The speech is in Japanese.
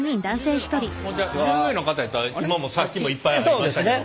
従業員の方やったらさっきもいっぱい会いましたけど。